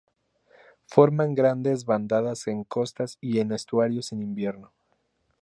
Forman grandes bandadas en costas y en estuarios en invierno.